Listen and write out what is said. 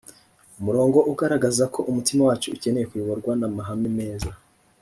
umurongo ugaragaza ko umutima wacu ukeneye kuyoborwa n amahame meza